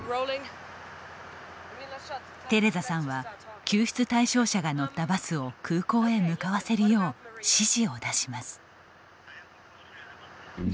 テレザさんは救出対象者が乗ったバスを空港へ向かわせるよう指示を出します。